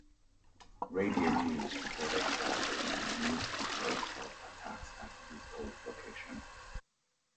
Radio News reported that he moved because of attacks at his old location.